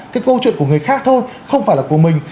cái câu chuyện của người khác thôi không phải là của mình